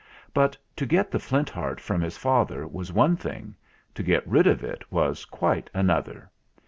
But to get the Flint Heart from his father was one thing; to get rid of it was quite another.